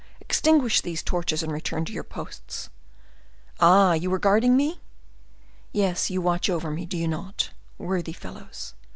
Extinguish these torches and return to your posts. Ah! you were guarding me? Yes, you watch over me, do you not, worthy fellows?